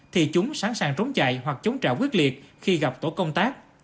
thì chúng sẵn sàng trốn chạy hoặc chống trả quyết liệt khi gặp tổ công tác